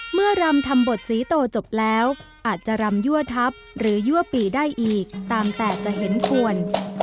รำทำบทศรีโตจบแล้วอาจจะรำยั่วทัพหรือยั่วปีได้อีกตามแต่จะเห็นควร